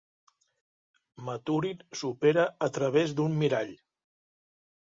Maturin s'opera a través d'un mirall.